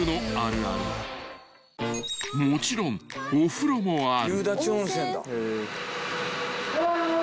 ［もちろんお風呂もある］